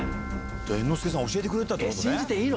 猿之助さん教えてくれてたってことね。